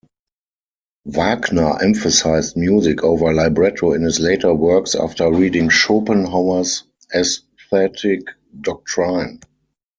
Wagner emphasized music over libretto in his later works after reading Schopenhauer's aesthetic doctrine.